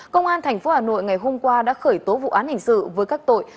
công an tp hà nội ngày hôm qua đã khởi tố vụ án hình sự với các tội